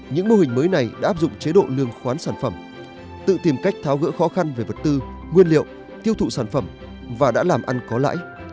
những mô hình mới này đã áp dụng chế độ lương khoán sản phẩm tự tìm cách tháo gỡ khó khăn về vật tư nguyên liệu tiêu thụ sản phẩm và đã làm ăn có lãi